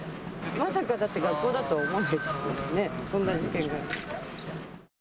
まさかだって学校だとは思わないですよね、こんな事件が。